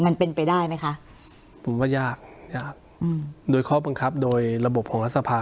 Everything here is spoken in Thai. มันเป็นไปได้ไหมคะผมว่ายากยากอืมโดยข้อบังคับโดยระบบของรัฐสภา